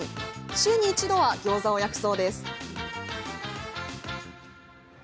週に一度はギョーザを焼くそうです。